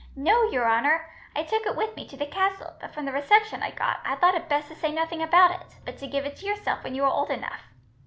"No, your honour. I took it with me to the castle, but from the reception I got, I thought it best to say nothing about it, but to give it to yourself when you were old enough.